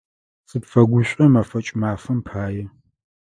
Сыпфэгушӏо мэфэкӏ мафэм пае.